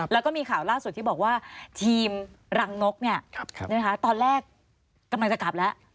แล้วก็มีข่าวล่าสุดที่บอกว่าทีมรังนกตอนแรกกำลังจะกลับแล้ว